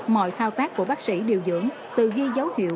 mọi thao tác của bác sĩ điều dưỡng từ ghi dấu hiệu